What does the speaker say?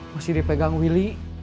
masih dipegang willy